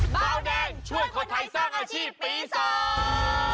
เบาแดงช่วยคนไทยสร้างอาชีพปีสอง